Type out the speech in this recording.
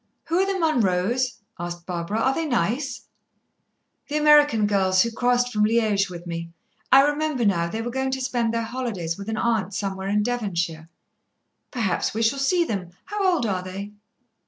"Who are the Munroes?" asked Barbara. "Are they nice?" "The American girls who crossed from Liège with me. I remember now, they were going to spend their holidays with an aunt somewhere in Devonshire." "Perhaps we shall see them. How old are they?"